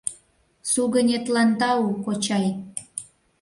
— Сугынетлан тау, кочай!